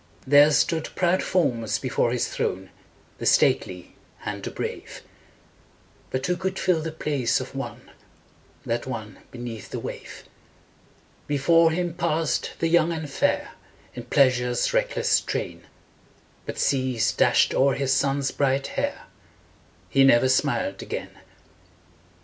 There stood proud forms before his throne, The stately and the brave; But who could fill the place of one, That one beneath the wave? Before him passed the young and fair, In pleasure's reckless train; But seas dashed o'er his son's bright hair He never smiled again.